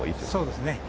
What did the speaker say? そうですね。